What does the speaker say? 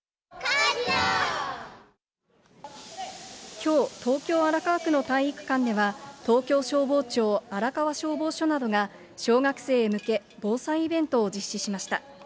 きょう、東京・荒川区の体育館では、東京消防庁荒川消防署などが、小学生へ向け、防災イベントを実施しました。